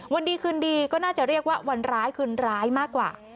วันดีคืนดีก็น่าจะเรียกว่าวันร้ายคืนร้ายมากกว่า